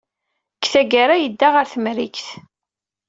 Deg tgara, yedda ɣer Temrikt.